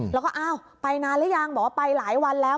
แล้วก็อ้าวไปนานหรือยังบอกว่าไปหลายวันแล้ว